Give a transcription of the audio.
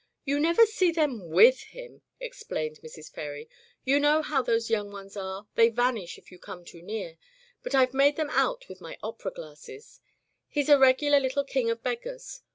"You never see them with him, ex plained Mrs. Ferry. "You know how those young ones are, they vanish if you come too near, but Fve made them out with my opera glasses. He's a regular little king of beggars.